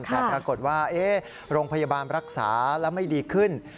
แต่ปรากฏว่าโรงพยาบาลรักษาแล้วไม่ดีขึ้น